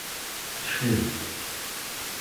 Tecleg-d.